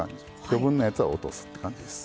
余分なやつは落とすって感じです。